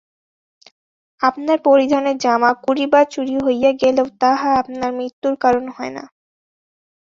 আপনার পরিধানের জামা কুড়িবার চুরি হইয়া গেলেও তাহা আপনার মৃত্যুর কারণ হয় না।